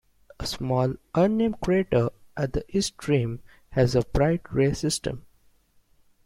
A small, unnamed crater at the east rim has a bright ray system.